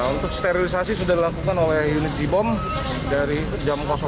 untuk sterilisasi sudah dilakukan oleh unit z bomb dari jam enam